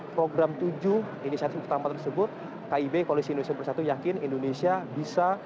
program tujuh inisiatif pertama tersebut kib koalisi indonesia bersatu yakin indonesia bisa